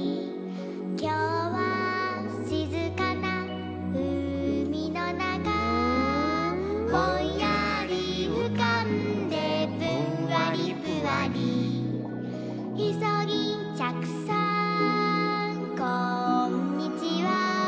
「きょうはしずかなうみのなか」「ぼんやりうかんでぷんわりぷわり」「いそぎんちゃくさんこんにちは！」